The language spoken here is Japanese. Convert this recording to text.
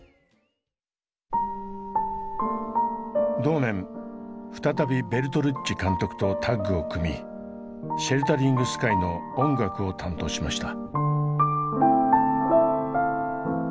同年再びベルトルッチ監督とタッグを組み「シェルタリング・スカイ」の音楽を担当しました。